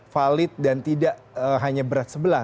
valid dan tidak hanya berat sebelah